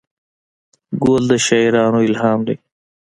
ګل د شاعرانو الهام دی.